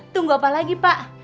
tunggu apa lagi pak